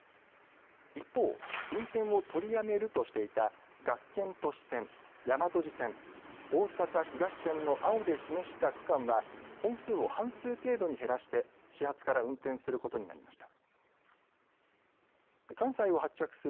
一方、運転を取りやめるとしていた学研都市線、大和路線、おおさか東線の青で示した区間は本数を半数程度に減らして始発から運転することになりました。